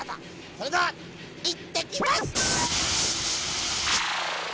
それではいってきます。